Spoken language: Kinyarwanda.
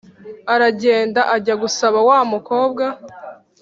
aragenda ajya gusaba wa mukobwa.